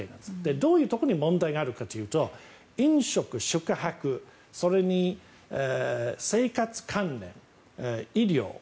どういうところに問題があるかというと飲食、宿泊、それに生活関連衣料。